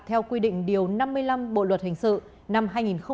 theo quy định điều năm mươi năm bộ luật hình sự năm hai nghìn một mươi năm